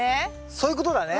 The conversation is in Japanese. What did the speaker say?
そういうことだね。